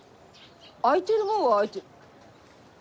空いてるもんは空いて。